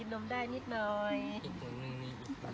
พี่ตุ๊กพี่หมูผ่าเจ้าของมา